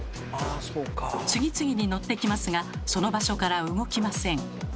次々に乗ってきますがその場所から動きません。